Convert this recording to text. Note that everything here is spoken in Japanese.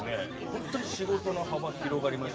本当に仕事の幅広がりまして。